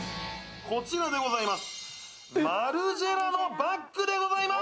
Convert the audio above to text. こちらでございます。